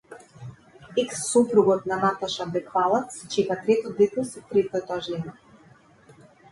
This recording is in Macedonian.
Екс сопругот на Наташа Беквалац чека трето дете со третата жена